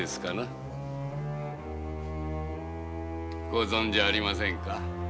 ご存じありませんか？